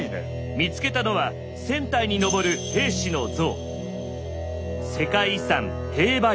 見つけたのは１，０００体に上る兵士の像。